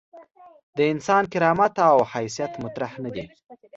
د انسان کرامت او حیثیت مطرح نه دي.